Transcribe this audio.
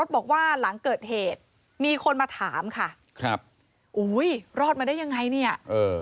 บอกว่าหลังเกิดเหตุมีคนมาถามค่ะครับอุ้ยรอดมาได้ยังไงเนี่ยเออ